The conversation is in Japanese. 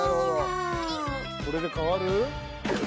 これで変わる？